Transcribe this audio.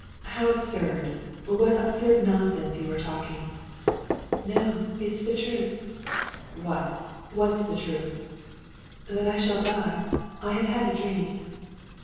"How absurd! What absurd nonsense you are talking!" "No, it's the truth." "What, what's the truth?" "That I shall die. I have had a dream."